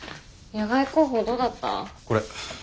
野外航法どうだった？